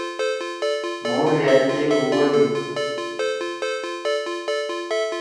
مھو ڙأت کے ہُوَدی۔